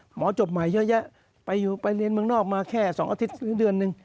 จบใหม่เยอะแยะไปเรียนเมืองนอกมาแค่๒อาทิตย์หรือเดือนหนึ่ง